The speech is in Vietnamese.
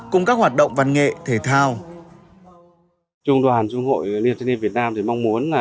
cùng các hoạt động văn nghệ thể thao